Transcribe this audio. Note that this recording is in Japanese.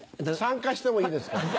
参加してもいいですか？